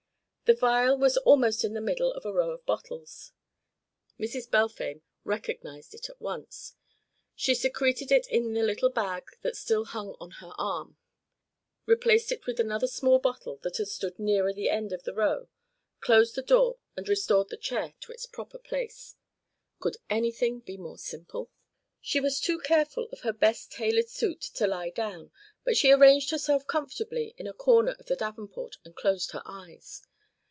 The vial was almost in the middle of a row of bottles. Mrs. Balfame recognised it at once. She secreted it in the little bag that still hung on her arm, replaced it with another small bottle that had stood nearer the end of the row, closed the door and restored the chair to its proper place. Could anything be more simple? She was too careful of her best tailored suit to lie down, but she arranged herself comfortably in a corner of the davenport and closed her eyes.